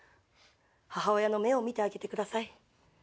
母親の目を見てあげてください。